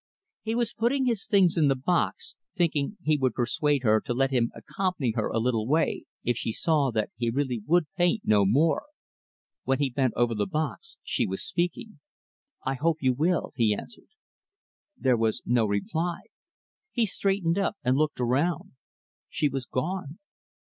He was putting his things in the box thinking he would persuade her to let him accompany her a little way; if she saw that he really would paint no more. When he bent over the box, she was speaking. "I hope you will," he answered. There was no reply. He straightened up and looked around. She was gone.